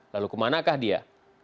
lalu kemanakah dia